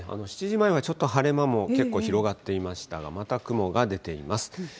７時前はちょっと晴れ間も結構広がっていましたが、また雲が出ています。